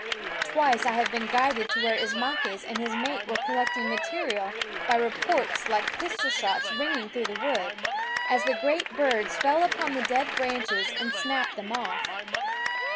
Twice I have been guided to where Ismaques and his mate were collecting material by reports like pistol shots ringing through the wood, as the great birds fell upon the dead branches and snapped them off.